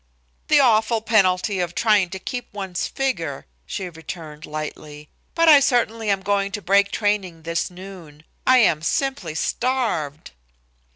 "The awful penalty of trying to keep one's figure," she returned lightly. "But I certainly am going to break training this noon. I am simply starved."